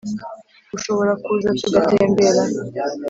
ushobora kuza tugatembera?